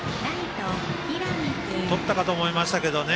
とったかと思いましたけどね。